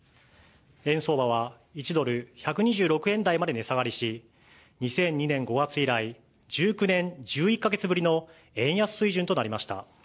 円相場は１ドル１２６円台まで値下がりし、２００２年５月来、１９年１１か月ぶりの円安水準となりました。